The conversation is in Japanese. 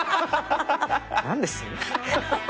何です？